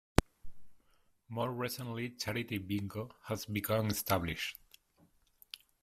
More recently "charity bingo" has become established.